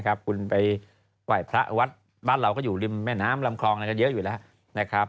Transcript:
คุณไปไหว้พระวัดบ้านเราก็อยู่ริมแม่น้ำลำคลองอะไรก็เยอะอยู่แล้วนะครับ